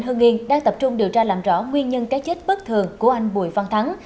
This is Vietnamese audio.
hương yên đang tập trung điều tra làm rõ nguyên nhân cái chết bất thường của anh bùi văn thắng